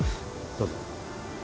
どうぞ。